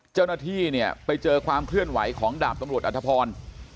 เจ้าหน้าที่เนี่ยไปเจอความเคลื่อนไหวของดาบตำรวจอัธพร